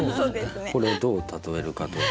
これをどう例えるかと。